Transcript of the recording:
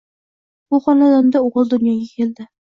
Bu xonadonda o`g`il dunyoga keldi